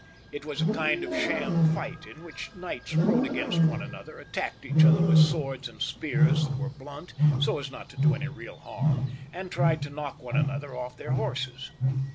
It was a kind of sham fight, in which knights rode against one another, attacked each other with swords and spears that were blunt, so as not to do any real harm, and tried to knock one another off their horses.